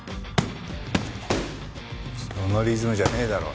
そのリズムじゃねえだろ。